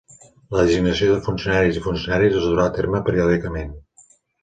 La designació de funcionaris i funcionàries es durà a terme periòdicament.